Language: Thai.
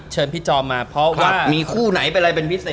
เชิญพีชจอมมา